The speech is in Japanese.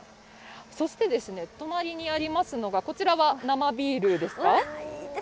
そして、隣にありますのがこちらは生ビールですか？